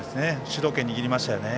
主導権を握りましたね。